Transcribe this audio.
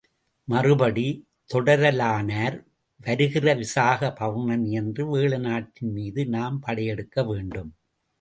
மறுபடி தொடரலானார் வருகிற விசாக பெளர்ணமியன்று வேழநாட்டின் மீது நாம் படையெடுக்க வேண்டும்.